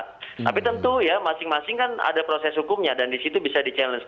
tapi tentu ya masing masing kan ada proses hukumnya dan disitu bisa di challenge